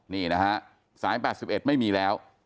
นี่นะฮะสาย๘๑ไม่มีแล้ว